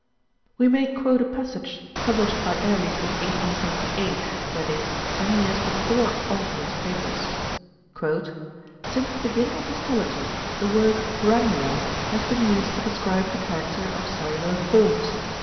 We may quote a passage published by Ehrlich in 1878, that is, ten years before Altmann's papers. "Since the beginning of histology the word 'granular' has been used to describe the character of cellular forms.